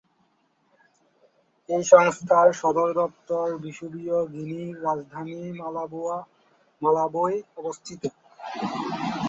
এই সংস্থার সদর দপ্তর বিষুবীয় গিনির রাজধানী মালাবোয় অবস্থিত।